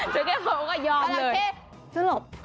จรเข้ผมก็ยอมเลยจรเข้สลบ